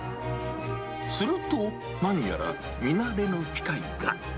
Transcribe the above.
すると、何やら見慣れぬ機械が。